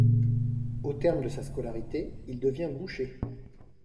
Au terme de sa scolarité il devient boucher.